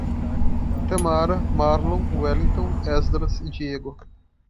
Tamara, Marlon, Welligton, Esdras e Diego